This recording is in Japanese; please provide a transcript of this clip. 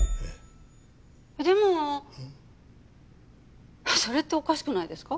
でもそれっておかしくないですか？